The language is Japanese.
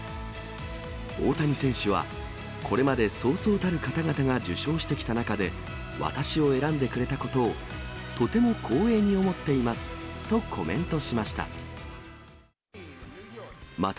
大谷選手は、これまでそうそうたる方々が受賞してきた中で、私を選んでくれたことをとても光栄に思っていますとコメントしました。